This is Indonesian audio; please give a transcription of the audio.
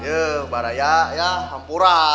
ya barangnya ya hampura